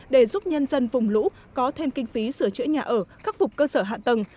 để giúp nhân dân vùng lũ có thêm kinh phí sửa chữa nhà ở khắc phục cơ sở hạ tầng